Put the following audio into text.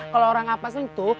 kalau orang apes itu